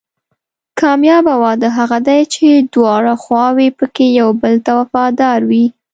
کامیابه واده هغه دی چې دواړه خواوې پکې یو بل ته وفادار وي.